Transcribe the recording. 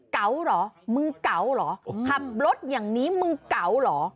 เก๋าเหรอมึงเก๋าเหรอขับรถอย่างนี้มึงเก๋าเหรอ